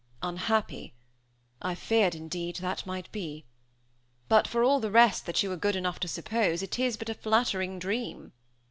"Unhappy! I feared, indeed, that might be. But for all the rest that you are good enough to suppose, it is but a flattering dream."